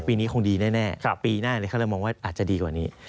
ปีนี้คงดีแน่ปีหน้าเขาเลยมองว่าอาจจะดีกว่านี้